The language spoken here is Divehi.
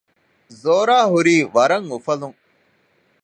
ޒޯރާ ހުރީ ވަރަށް އުފަލުން